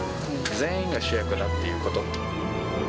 全員が主役だっていうこと。